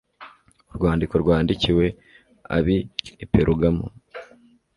Urwandiko rwandikiwe ab i Perugamo